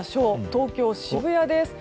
東京・渋谷です。